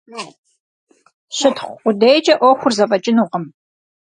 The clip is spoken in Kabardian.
Щытхъу къудейкӀэ Ӏуэхур зэфӀэкӀынукъым.